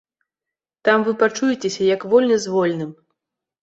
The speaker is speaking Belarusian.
Там вы пачуецеся, як вольны з вольным.